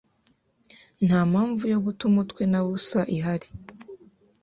nta mpamvu yo guta umutwe na busa ihari